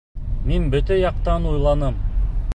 Мин бөтә яҡтан уйланым...